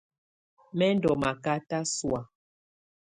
Mɛ ndɔ makata sɔ̀á.